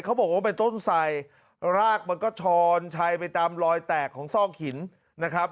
เขาบอกว่าเป็นต้นไสรากมันก็ช้อนชัยไปตามรอยแตกของซอกหินนะครับ